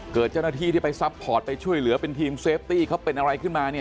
เจ้าหน้าที่ที่ไปซัพพอร์ตไปช่วยเหลือเป็นทีมเซฟตี้เขาเป็นอะไรขึ้นมาเนี่ย